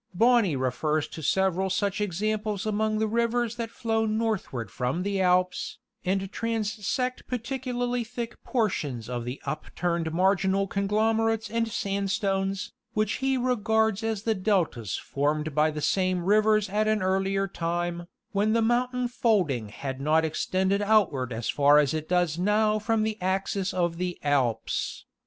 Bonney refers to several such examples among the rivers 104 National Geographic Magazine. that flow northward from the Alps, and transect particularly thick portions of the upturned marginal conglomerates and sand stones, which he regards as the deltas formed by the same rivers at an earlier time, when the mountain folding had not extended outward as far as it does now from the axis of the Alps.